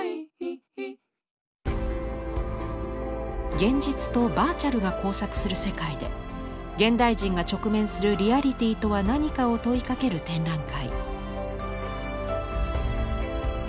現実とバーチャルが交錯する世界で現代人が直面するリアリティとは何かを問いかける展覧会。